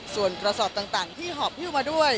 ส่วนกระสอบต่างที่หอบฮิ้วมาด้วย